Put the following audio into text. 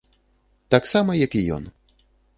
Таксама, як і ён.